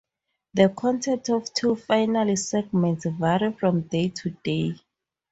The content of two final segments vary from day to day.